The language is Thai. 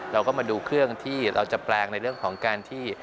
เราก็มาดูเครื่องที่เราจะแปลงในเรื่องของการที่